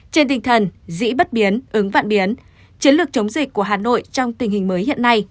trên tinh thần dĩ bất biến ứng vạn biến chiến lược chống dịch của hà nội trong tình hình mới hiện nay